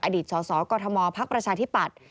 อดีตสสกมพักประชาธิปัตย์